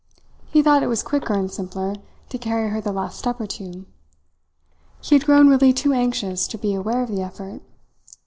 He thought it was quicker and simpler to carry her the last step or two. He had grown really too anxious to be aware of the effort.